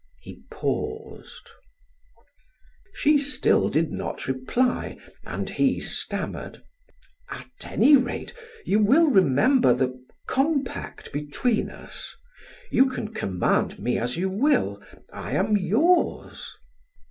He paused; she still did not reply, and he stammered: "At any rate, you will remember the compact between us; you can command me as you will. I am yours."